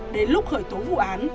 đến lúc khởi tố vụ án